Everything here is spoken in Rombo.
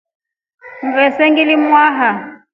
Mvese nglimwaha.